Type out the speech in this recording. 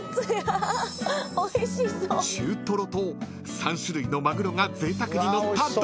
［３種類のマグロがぜいたくにのった丼］